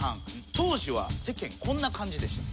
当時は世間こんな感じでした。